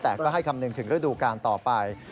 แต่ก็ให้คำนึงถึงฤดูการต่อไป